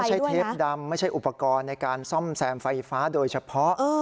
เทปดำไม่ใช่อุปกรณ์ในการซ่อมแซมไฟฟ้าโดยเฉพาะ